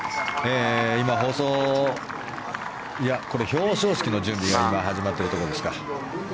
今、放送表彰式の準備が今、始まっているところですか。